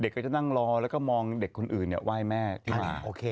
เด็กเขาจะนั่งรอแล้วก็มองเด็กคนอื่นเนี้ยไหว้แม่ที่หลายอันนี้โอเค